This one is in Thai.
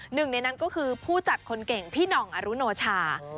หนึ่งในนั้นก็คือผู้จัดคนเก่งพี่หน่องอรุโนชา